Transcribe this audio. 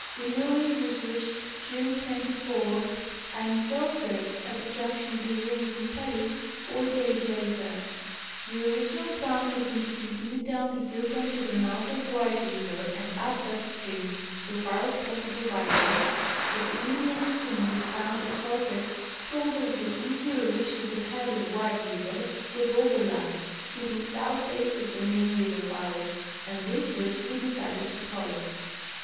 The Lewes was reached June 24 and Selkirk, at the junction of the Lewes and Pelly, four days later. The original plan had been to continue down the Yukon to the mouth of White river and up that stream so far as possible by boat, but the Indians whom we found at Selkirk told us the easier route to the head of White river was overland, keeping southeast of the main river valley ; and this route we decided to follow.